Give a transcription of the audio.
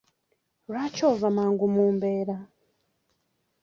Lwaki ova mangu mu mbeera?